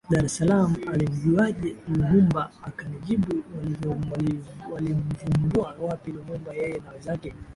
Dar es Salaam alimjuaje Lumbumba Akanijibu walimvumbua wapi Lumumba Yeye na wenzake